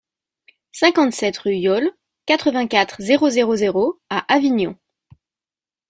cinquante-sept rue Yole, quatre-vingt-quatre, zéro zéro zéro à Avignon